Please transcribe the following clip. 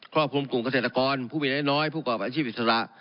รอบคลุมกลุ่มเกษตรกรผู้มีน้อยผู้กรอบอาชีพอิสระ